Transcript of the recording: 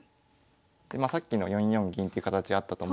さっきの４四銀っていう形あったと思うんですけど。